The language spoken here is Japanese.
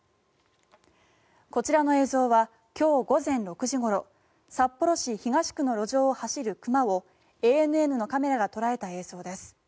こちらの映像は今日午前６時ごろ札幌市東区の路上を走る熊をＡＮＮのカメラが捉えた映像です。